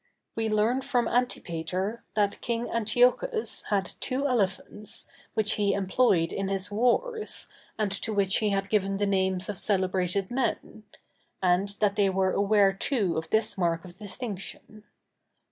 We learn from Antipater, that King Antiochus had two elephants, which he employed in his wars, and to which he had given the names of celebrated men; and that they were aware too of this mark of distinction.